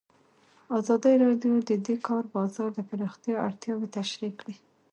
ازادي راډیو د د کار بازار د پراختیا اړتیاوې تشریح کړي.